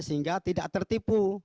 sehingga tidak tertipu